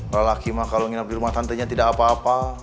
lelaki mah kalau nginap di rumah tantenya tidak apa apa